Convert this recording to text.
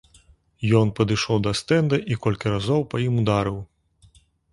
Ён падышоў да стэнда і колькі разоў па ім ударыў.